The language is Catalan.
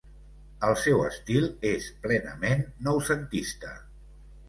El seu estil és plenament noucentista.